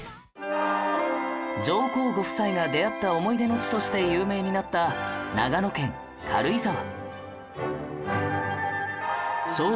上皇ご夫妻が出会った思い出の地として有名になった長野県軽井沢